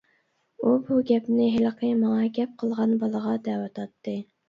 ئۇ بۇ گەپنى ھېلىقى ماڭا گەپ قىلغان بالىغا دەۋاتاتتى.